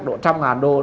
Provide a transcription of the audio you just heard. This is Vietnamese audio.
độ trăm ngàn đô